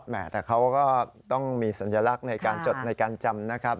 แต่เขาก็ต้องมีสัญลักษณ์ในการจดในการจำนะครับ